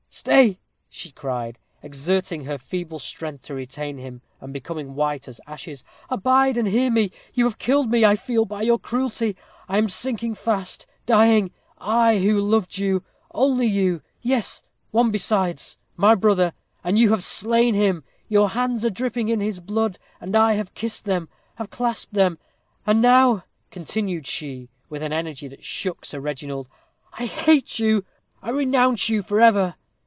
"Stay," she cried, exerting her feeble strength to retain him, and becoming white as ashes, "abide and hear me. You have killed me, I feel, by your cruelty. I am sinking fast dying. I, who loved you, only you; yes, one besides my brother, and you have slain him. Your hands are dripping in his blood, and I have kissed them have clasped them! And now," continued she, with an energy that shook Sir Reginald, "I hate you I renounce you forever!